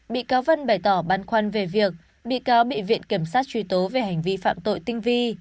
bị cáo vân bày tỏ băn khoăn về việc bị cáo bị viện kiểm sát truy tố về hành vi phạm tội tinh vi